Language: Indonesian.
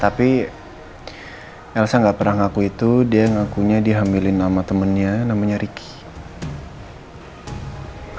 tapi elsa gak pernah ngaku itu dia ngakunya dihamilin sama temennya namanya ricky